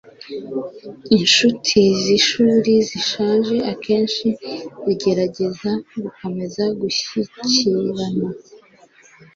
Inshuti zishuri zishaje akenshi zigerageza gukomeza gushyikirana.